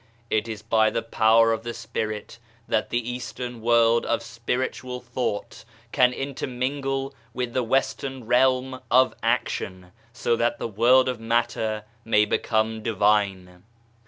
It is by the Power of the Spirit that the Eastern World of spiritual thought can intermingle with the Western realm of action, so that the world of matter may become Divine.